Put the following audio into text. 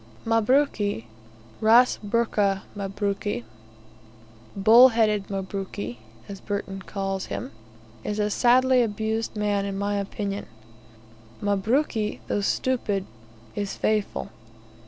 Mabruki, "Ras bukra Mabruki," Bull headed Mabruki, as Burton calls him, is a sadly abused man in my opinion. Mabruki, though stupid, is faithful.